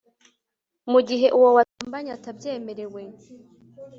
mu gihe uwo wasambanye atabyemerewe